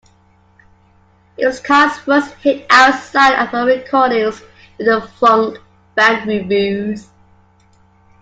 It was Khan's first hit outside of her recordings with the funk band Rufus.